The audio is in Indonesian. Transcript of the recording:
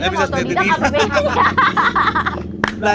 bisa sendiri atau otodidak apa bedanya